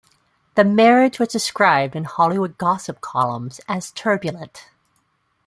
The marriage was described in Hollywood gossip columns as turbulent.